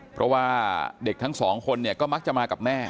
เพราะว่าเด็กทั้งสองคนเนี่ยก็มักจะมากับแม่